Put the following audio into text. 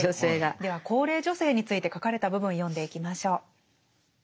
では高齢女性について書かれた部分読んでいきましょう。